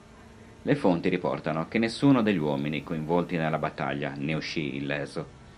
Le fonti riportano che nessuno degli uomini coinvolti nella battaglia ne uscì illeso.